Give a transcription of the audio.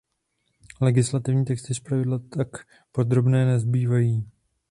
Legislativní texty zpravidla tak podrobné nebývají.